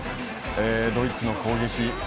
ドイツの攻撃。